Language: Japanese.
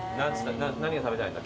何が食べたいんだっけ？